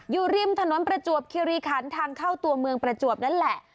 อยู่ริมถนนประจวบคิริคันทางเข้าตัวเมืองประจวบนั่นแหละ